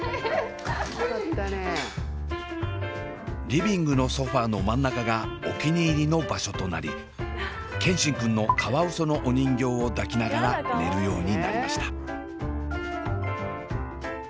リビングのソファーの真ん中がお気に入りの場所となり健新くんのカワウソのお人形を抱きながら寝るようになりました。